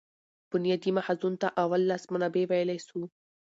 بنیادي ماخذونو ته اول لاس منابع ویلای سو.